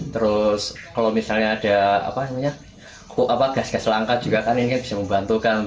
terus kalau misalnya ada gas gas langka juga kan ini bisa membantukan